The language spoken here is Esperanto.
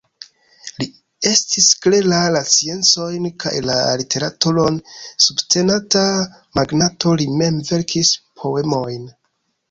Li estis klera, la sciencojn kaj la literaturon subtenanta magnato, li mem verkis poemojn.